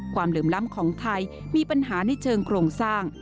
เหลื่อมล้ำของไทยมีปัญหาในเชิงโครงสร้าง